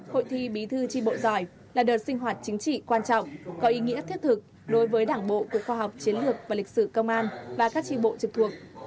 hội thi bí thư tri bộ giỏi là đợt sinh hoạt chính trị quan trọng có ý nghĩa thiết thực đối với đảng bộ cục khoa học chiến lược và lịch sử công an và các tri bộ trực thuộc